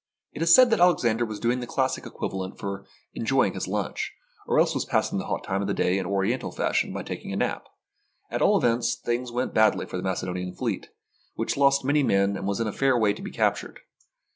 It is said that Alexander was doing the classic equivalent for enjoying his lunch, or else was pass ing the hot time of the day in Oriental fashion by taking a nap. At all events, things went badly for the Macedonian fleet, which lost many men and was in a fair way to be captured.